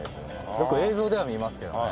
よく映像では見ますけどね。